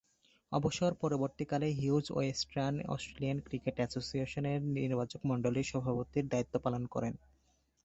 অবসর পরবর্তীকালে Hugh Western Australian cricket অ্যাসোসিয়েশনের নির্বাচকমণ্ডলীর সভাপতির দায়িত্ব পালন করেন।